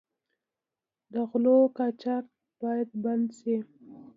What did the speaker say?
د غلو قاچاق باید بند شي.